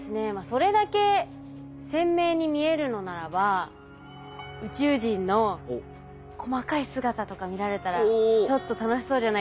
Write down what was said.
それだけ鮮明に見えるのならば宇宙人の細かい姿とか見られたらちょっと楽しそうじゃないですか。